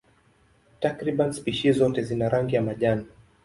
Takriban spishi zote zina rangi ya majani.